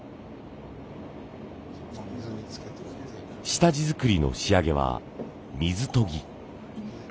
下地作りの仕上げは水研ぎ。